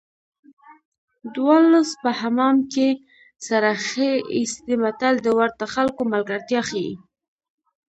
دوه لوڅ په حمام کې سره ښه ایسي متل د ورته خلکو ملګرتیا ښيي